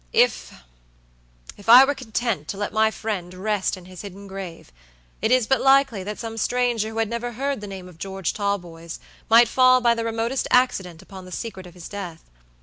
Ifif I were content to let my friend rest in his hidden grave, it is but likely that some stranger who had never heard the name of George Talboys, might fall by the remotest accident upon the secret of his death.